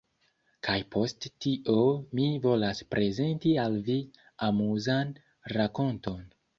kaj post tio mi volas prezenti al vi amuzan rakonton.